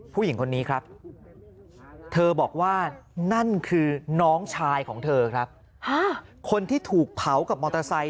ผู้หญิงคนนี้ครับเธอบอกว่านั่นคือน้องชายของเธอครับคนที่ถูกเผากับมอเตอร์ไซค